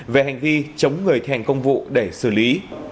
về hành vi chống người thành công vụ để xử lý